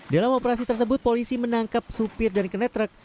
dalam operasi tersebut polisi menangkap supir dan kenetrek